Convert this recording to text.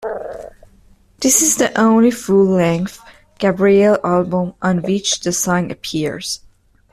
This is the only full-length Gabriel album on which the song appears.